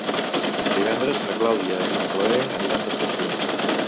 Divendres na Clàudia i na Cloè aniran d'excursió.